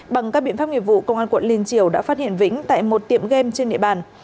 bằng các biện pháp nghiệp vụ công an quận liên triều đã phát hiện vĩnh tại một tiệm game trên địa bàn